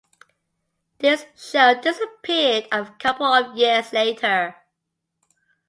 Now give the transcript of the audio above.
This show disappeared a couple of years later.